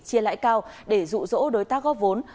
chia lãi cao để rụ rỗ đối tác góp vốn